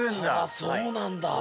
そうなんだ。